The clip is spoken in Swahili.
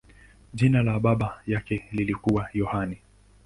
Jina la baba yake lilikuwa Yohane.